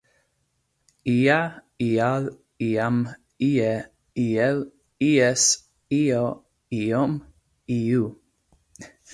Ia, ial, iam, ie, iel, ies, io, iom, iu.